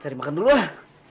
cari makan dulu lah